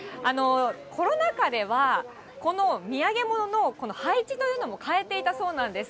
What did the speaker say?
コロナ禍では、この土産物の配置というのもかえていたそうなんです。